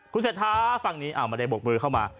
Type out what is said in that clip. คุณเศรษฐาภาคนี้อ่าเมื่อได้บอกมือเข้ามา